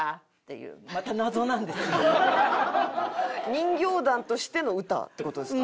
人形団としての歌って事ですか？